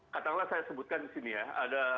katalah saya sebutkan disini ya